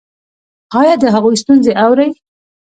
ایا د هغوی ستونزې اورئ؟